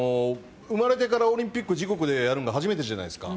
生まれてから、オリンピックを自国でやるの初めてじゃないですか。